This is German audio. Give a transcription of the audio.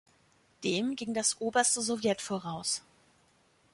Dem ging das Oberste Sowjet voraus.